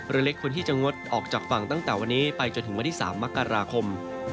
เรือเล็กควรที่จะงดออกจากฝั่งตั้งแต่วันนี้ไปจนถึงวันที่๓มกราคม